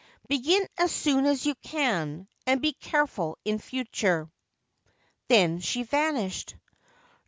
Begin as soon as you can, and be careful in future/ Then she vanished.